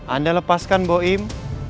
anda lepaskan boim